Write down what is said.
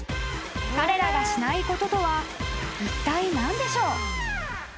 ［彼らがしないこととはいったい何でしょう？］